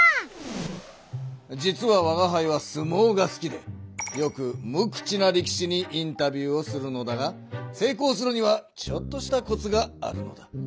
実はわがはいはすもうが好きでよく無口な力士にインタビューをするのだがせいこうするにはちょっとしたコツがあるのだ。